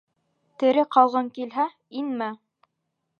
Тере ҡалғың килһә, инмә!